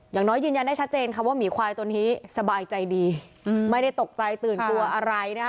อย่างน้อยยืนยันได้ชัดเจนค่ะว่าหมีควายตัวนี้สบายใจดีไม่ได้ตกใจตื่นกลัวอะไรนะคะ